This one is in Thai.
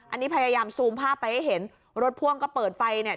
อันนี้พยายามซูมภาพไปให้เห็นรถพ่วงก็เปิดไฟเนี่ย